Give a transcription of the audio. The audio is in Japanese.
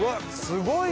すごい！